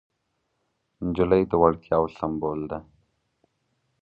نجلۍ د وړتیاوو سمبول ده.